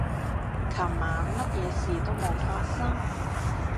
琴晚乜嘢事都冇發生